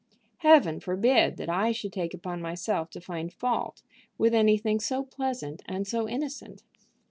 Heaven forbid that I should take upon myself to find fault with anything so pleasant and so innocent!